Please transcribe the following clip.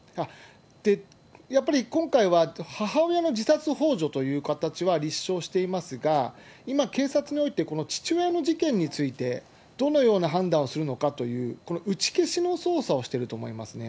やっぱり、今回は母親の自殺ほう助という形は立証していますが、今、警察においてこの父親の事件についてどのような判断をするのかという、この打ち消しの捜査をしていると思いますね。